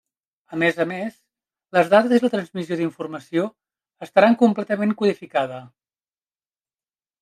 A més a més, les dades i la transmissió de la informació estaran completament codificada.